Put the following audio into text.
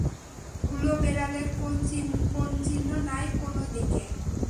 হুলো বেড়ালের কোন চিহ্ন নাই কোনও দিকে।